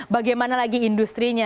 bagaimana lagi industri nya